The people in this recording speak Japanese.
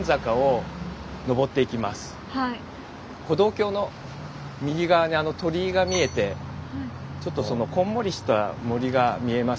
歩道橋の右側にあの鳥居が見えてちょっとこんもりした森が見えます